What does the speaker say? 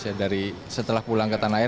ya dari setelah pulang ke tanah air